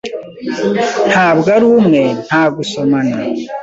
Ntabwo ari umwe, nta gusomana